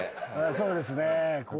そうですね。